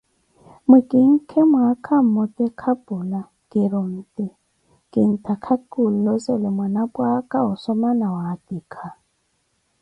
Mwikinke mwaaka mmote kapula kiri onti, kintaka kinlozele mwanapwa aka osoma na waatika.